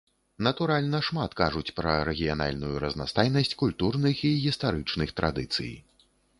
Натуральна, шмат кажуць пра рэгіянальную разнастайнасць культурных і гістарычных традыцый.